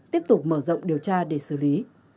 tiếp tục mở rộng điều tra để xử lý